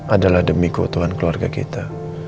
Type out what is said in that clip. adalah demi keutuhan keluarga kita